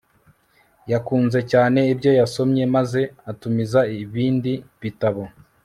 yakunze cyane ibyo yasomye maze atumiza ibindi bitabo